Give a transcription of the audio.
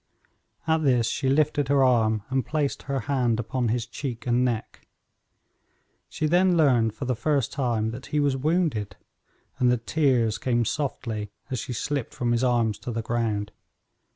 At this she lifted her arm and placed her hand upon his cheek and neck. She then learned for the first time that he was wounded, and the tears came softly as she slipped from his arms to the ground.